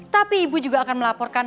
tapi ibu juga akan melaporkan